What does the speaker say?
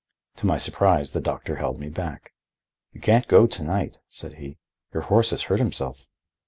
To my surprise the doctor held me back. "You can't go to night," said he, "your horse has hurt himself."